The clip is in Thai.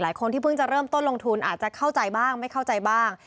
คนที่เพิ่งจะเริ่มต้นลงทุนอาจจะเข้าใจบ้างไม่เข้าใจบ้าง